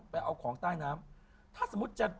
ไปเอาของใต้น้ำถ้าสมมุติจะ